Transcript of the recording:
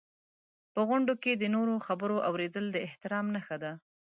په غونډو کې د نورو خبرو اورېدل د احترام نښه ده.